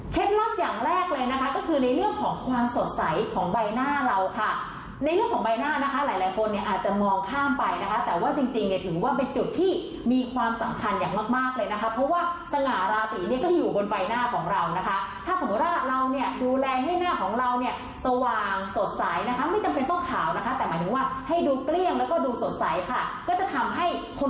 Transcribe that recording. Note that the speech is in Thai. ลับอย่างแรกเลยนะคะก็คือในเรื่องของความสดใสของใบหน้าเราค่ะในเรื่องของใบหน้านะคะหลายหลายคนเนี่ยอาจจะมองข้ามไปนะคะแต่ว่าจริงเนี่ยถือว่าเป็นจุดที่มีความสำคัญอย่างมากมากเลยนะคะเพราะว่าสง่าราศีเนี่ยก็อยู่บนใบหน้าของเรานะคะถ้าสมมุติว่าเราเนี่ยดูแลให้หน้าของเราเนี่ยสว่างสดใสนะคะไม่จำเป็นต้องขาวนะคะแต่หมายถึงว่าให้ดูเกลี้ยงแล้วก็ดูสดใสค่ะก็จะทำให้คน